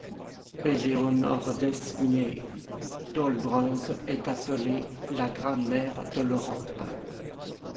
Éléonore Desmier d'Olbreuse est appelée la grand-mère de l'Europe.